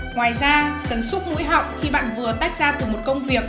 ngoài ra cần xúc mũi họng khi bạn vừa tách ra từ một công việc